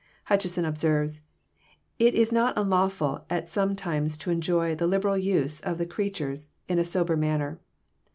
Hutcheson observes :<* Itis not nnlawftd at some times to enjoy the liberal use of the creatures in a sober manner.